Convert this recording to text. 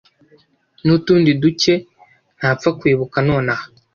n’utundi duke ntapfa kwibuka nonaha